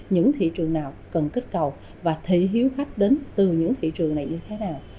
những thị trường nào cần kích cầu và thị hiếu khách đến từ những thị trường này như thế nào